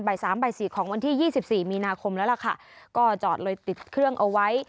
สามบ่ายสี่ของวันที่ยี่สิบสี่มีนาคมแล้วล่ะค่ะก็จอดเลยติดเครื่องเอาไว้